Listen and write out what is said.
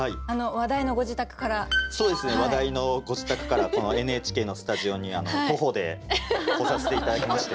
話題のご自宅からこのＮＨＫのスタジオに徒歩で来させて頂きまして。